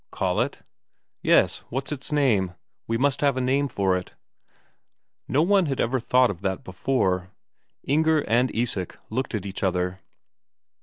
"Call it?" "Yes. What's its name? We must have a name for it" No one had ever thought of that before. Inger and Isak looked at each other.